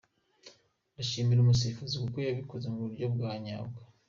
Ndashimira umusifuzi kuko yabikoze mu buryo bwa nyabwo.